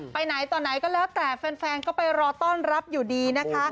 ไปไหนต่อไหนก็แล้วแต่แฟนก็ไปรอต้อนรับอยู่ดีนะคะ